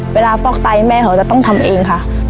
เวลาฟอกไตแม่เขาจะต้องทำเอง